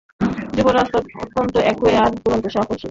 যুবরাজ অত্যন্ত একগুঁয়ে আর দুরন্ত সাহসী।